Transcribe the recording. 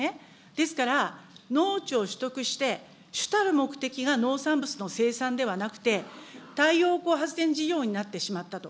ですから、農地を取得して、主たる目的が農産物の生産ではなくて、太陽光発電事業になってしまったと。